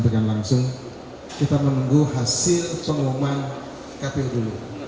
sekarang kita tunggu dulu hasil pembukaan kpu